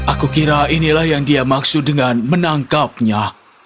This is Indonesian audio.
aku kira inilah yang dia maksud dengan menangkapnya